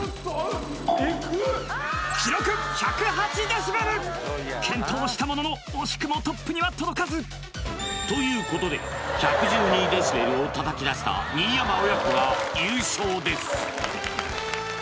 デシベル健闘したものの惜しくもトップには届かずということで１１２デシベルを叩きだした新山親子が優勝です